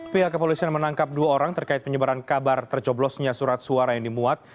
pihak kepolisian menangkap dua orang terkait penyebaran kabar tercoblosnya surat suara yang dimuat